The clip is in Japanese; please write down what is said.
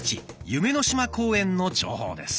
「夢の島公園」の情報です。